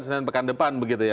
senin pekan depan begitu ya